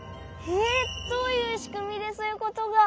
えっどういうしくみでそういうことが？